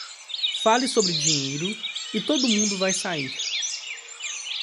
Fale sobre dinheiro e todo mundo vai sair.